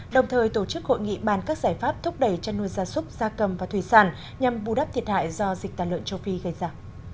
đồng thời tổ chức hội nghị bàn các giải pháp thúc đẩy chăn nuôi gia súc gia cầm và thủy sản nhằm bù đắp thiệt hại do dịch tàn lợn châu phi gây ra